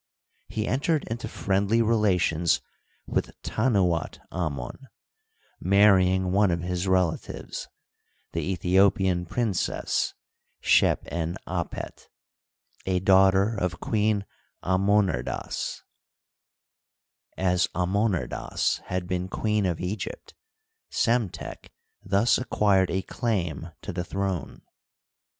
He entered into friendly relations with Tanuat Amon, marrying one of his relatives — ^the Aethiopian princess Shep en apet, a daugh ter of Queen Amomrdas, As Amonerdas had been Queen of Egypt, Psemtek thus acquired a cldm to the throne.